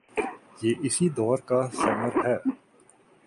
یہ اسی دور کا ثمر ہے۔